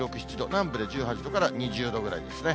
南部で１８度から２０度ぐらいですね。